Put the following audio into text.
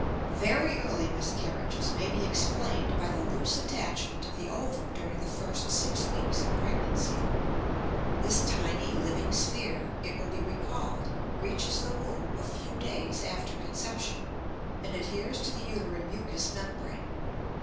Very early miscarriages may be explained by the loose attachment of the ovum during the first six weeks of pregnancy. This tiny, living sphere, it will be recalled, reaches the womb a few days after conception, and adheres to the uterine mucous membrane.